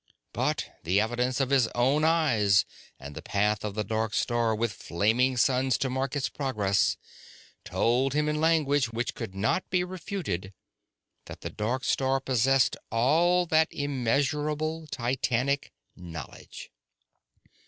But the evidence of his own eyes and the path of the dark star with flaming suns to mark its progress, told him in language which could not be refuted that the dark star possessed all that immeasurable, titanic knowledge.